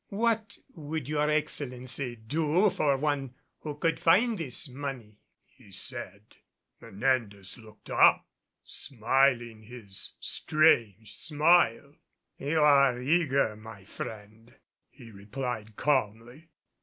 "What would your Excellency do for one who could find this money?" he said. Menendez looked up, smiling his strange smile. "You are eager, my friend," he replied calmly.